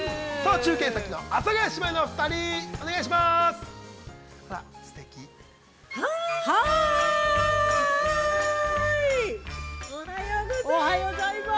中継先の阿佐ヶ谷姉妹のお二人、お願いします！